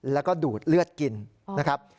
แล้วก็ดูดเลือดกินนะครับ